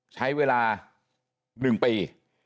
ใช้เวลา๑ปี